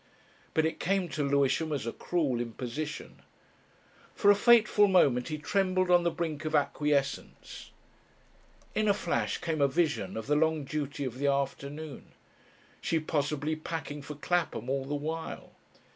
But it came to Lewisham as a cruel imposition. For a fateful moment he trembled on the brink of acquiescence. In a flash came a vision of the long duty of the afternoon she possibly packing for Clapham all the while.